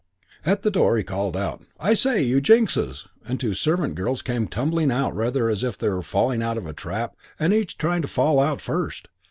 "At the door he called out, 'I say, you Jinkses!' and two servant girls came tumbling out rather as if they were falling out of a trap and each trying to fall out first.